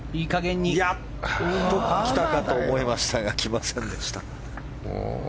来たかと思いましたが来ませんでした。